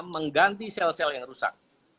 mengganti sel sel yang rusak